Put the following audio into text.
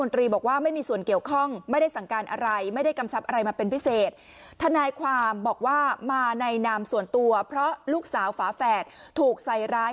บอกว่ามาในนามส่วนตัวเพราะลูกสาวฝาแฝดถูกใส่ร้าย